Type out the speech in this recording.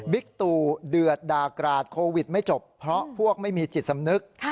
ตู่เดือดด่ากราดโควิดไม่จบเพราะพวกไม่มีจิตสำนึก